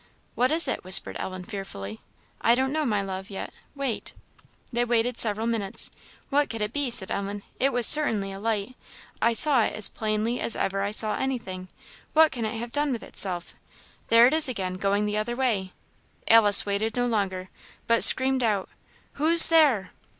"What is it?" whispered Ellen, fearfully. "I don't know, my love, yet; wait" They waited several minutes. "What could it be?" said Ellen. "It was certainly a light; I saw it as plainly as ever I saw anything; what can it have done with itself? there it is again! going the other way!" Alice waited no longer, but screamed out, "Who's there?"